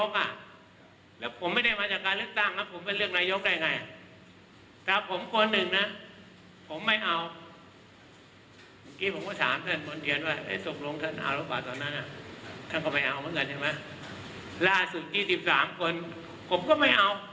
ผมอาจจะว่าผมเนี่ยนะ